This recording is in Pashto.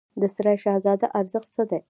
د سرای شهزاده ارزښت څه دی؟